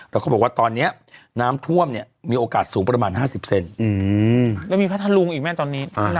แล้วก็บอกว่าตอนนี้น้ำท่วมเนี่ยมีโอกาสสูงประมาณ๕๐เซนแล้วมีพัทธรุงอีกแม่ตอนนี้